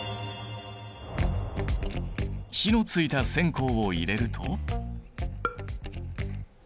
火のついた線香を入れると。